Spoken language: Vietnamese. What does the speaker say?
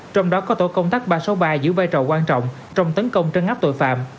trong đó có tổ công tác ba trăm sáu mươi ba giữ vai trò quan trọng trong tấn công trân ngắp tội phạm